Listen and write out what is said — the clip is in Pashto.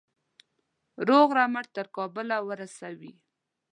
روغ رمټ تر کابله ورسوي.